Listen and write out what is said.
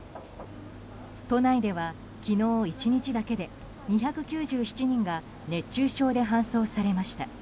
都内では昨日１日だけで２９７人が熱中症で搬送されました。